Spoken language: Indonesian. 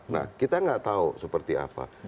nah kita nggak tahu seperti apa